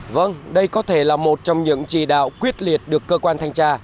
vâng đây có thể là một trong những chỉ đạo quyết liệt được cơ quan thanh tra